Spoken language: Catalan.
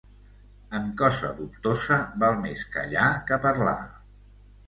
En cosa dubtosa val més callar que parlar.